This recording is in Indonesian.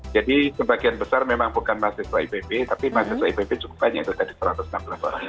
jadi sebagian besar memang bukan mahasiswa ipb tapi mahasiswa ipb cukup banyak jadi satu ratus enam belas orang